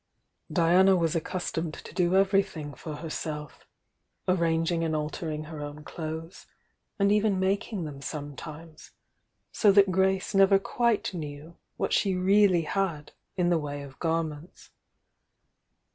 Diana was accustomed to do everything for herself, arranging and altering her own clothes, and even making them sometimes, so that Grace never quite knew what she really had in the way of garments.